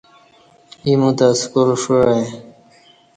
ایموتہ سکال ݜاع آئی